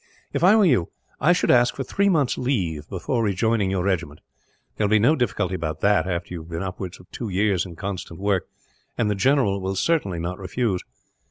"If I were you, I should ask for three months' leave before rejoining your regiment. There will be no difficulty about that, after you have been upwards of two years in constant work; and the general will certainly not refuse.